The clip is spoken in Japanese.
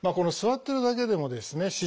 座ってるだけでもですね